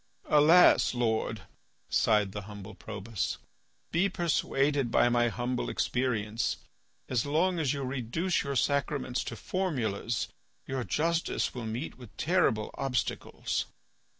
"Alas! Lord," sighed the humble Probus. "Be persuaded by my humble experience; as long as you reduce your sacraments to formulas your justice will meet with terrible obstacles."